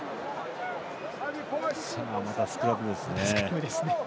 またスクラムですね。